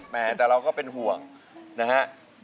แต่เราก็เป็นห่วงนะฮะ